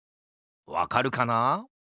わかるかな？